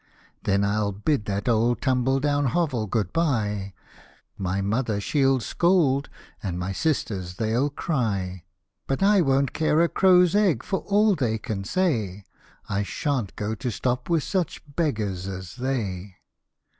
" Then i'U bid that old tumble down hovel good bye; My mother she'll scold, and my sisters they'll cry : But I won't care a crow's egg for all they can say, I shan't go to stop with such beggars as they